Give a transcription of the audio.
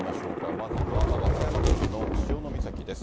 まずは和歌山県の潮岬です。